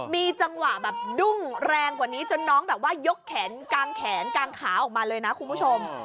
มีจังหวะแบบดุ้งแรงกว่านี้จนน้องแบบว่ายกแขนกางแขนกางขาออกมาเลยนะคุณผู้ชม